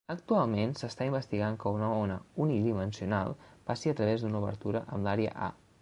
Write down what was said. Actualment s'està investigant que una ona "unidimensional" passi a través d'una obertura amb l'àrea "A".